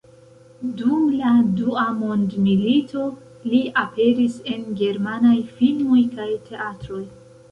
Dum la Dua mondmilito li aperis en germanaj filmoj kaj teatroj.